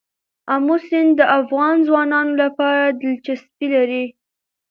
آمو سیند د افغان ځوانانو لپاره دلچسپي لري.